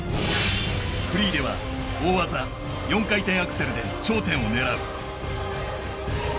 フリーでは大技４回転アクセルで頂点を狙う。